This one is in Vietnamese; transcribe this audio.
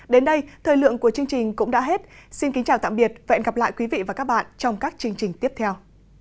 đến đây thời lượng của chương trình cũng đã hết xin kính chào tạm biệt và hẹn gặp lại quý vị và các bạn trong các chương trình tiếp theo